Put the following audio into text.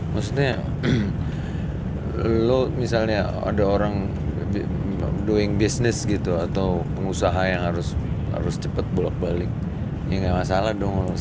maksudnya misalnya ada orang melakukan bisnis atau pengusaha yang harus cepat balik balik ya ga masalah